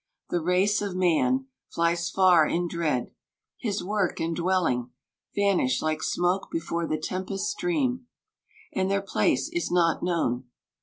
The race Of man, flies far in dread 5 his work and dwelling Vanish, like smoke before the tempest's stream. And their place is not known.